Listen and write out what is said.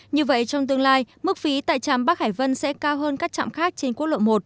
như vậy trong tương lai mức phí tại trạm bắc hải vân sẽ cao hơn các trạm khác trên quốc lộ một